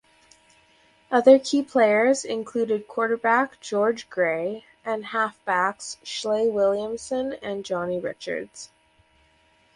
Other key players included quarterback George Gray and halfbacks Schley Williamson and Johnny Richards.